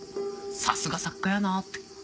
さすが作家やなって。